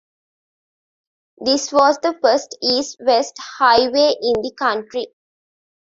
This was the first east-west highway in the country.